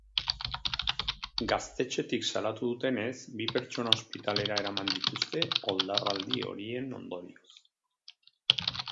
Gaztetxetik salatu dutenez, bi pertsona ospitalera eraman dituzte, oldarraldi horien ondorioz.